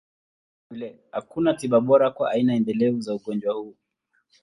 Vilevile, hakuna tiba bora kwa aina endelevu za ugonjwa huu.